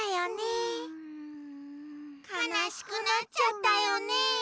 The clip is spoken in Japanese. かなしくなっちゃったよね。